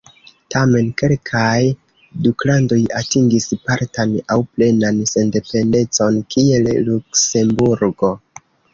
Tamen kelkaj duklandoj atingis partan aŭ plenan sendependecon, kiel Luksemburgo.